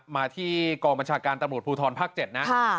มาที่กองบัญชาการตำรวจภูทรภักดิ์๗นะค่ะ